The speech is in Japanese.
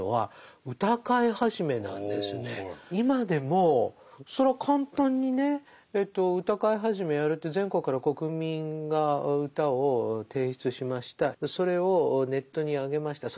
今でもそれは簡単にね歌会始やるって全国から国民が歌を提出しましたそれをネットにあげました。